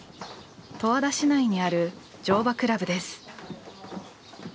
十和田市内にある乗馬倶楽部です。